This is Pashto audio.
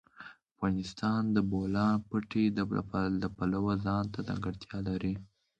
افغانستان د د بولان پټي د پلوه ځانته ځانګړتیا لري.